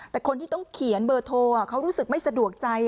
แต่คนที่ต้องเขียนเบอร์โทรเขารู้สึกไม่สะดวกใจ